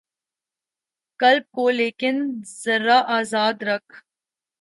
قلب کو لیکن ذرا آزاد رکھ